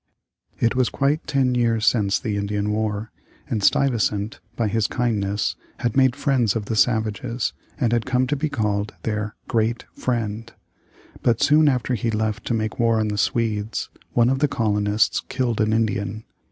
It was quite ten years since the Indian war, and Stuyvesant, by his kindness, had made friends of the savages, and had come to be called their "great friend," But soon after he left to make war on the Swedes, one of the colonists killed an Indian.